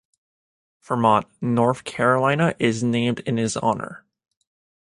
Fremont, North Carolina is named in his honor.